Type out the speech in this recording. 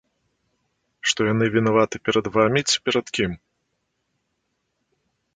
Што яны вінаваты перад вамі ці перад кім!